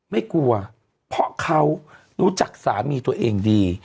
ไม่กลัวเพราะเขารู้จักสามีตัวเองดี